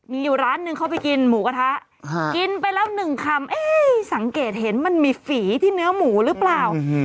มีอยู่ร้านหนึ่งเขาไปกินหมูกระทะกินไปแล้วหนึ่งคำสังเกตเห็นมันมีฝีที่เนื้อหมูหรือเปล่า